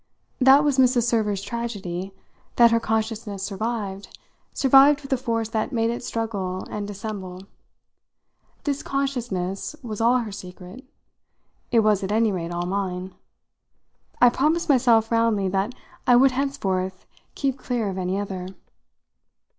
That was Mrs. Server's tragedy, that her consciousness survived survived with a force that made it struggle and dissemble. This consciousness was all her secret it was at any rate all mine. I promised myself roundly that I would henceforth keep clear of any other.